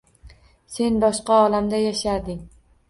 Sen boshqa olamda yasharding